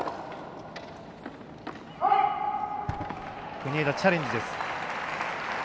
国枝、チャレンジです。